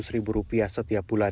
ribu rupiah setiap bulan